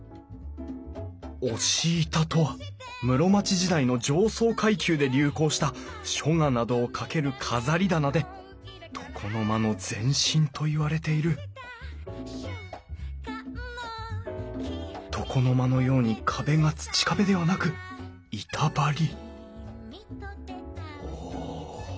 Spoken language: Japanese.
押し板とは室町時代の上層階級で流行した書画などをかける飾り棚で床の間の前身といわれている床の間のように壁が土壁ではなく板張りおお。